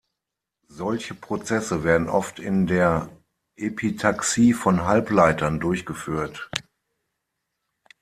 Solche Prozesse werden oft in der Epitaxie von Halbleitern durchgeführt.